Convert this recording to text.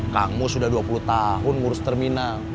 kang mus sudah dua puluh tahun ngurus terminal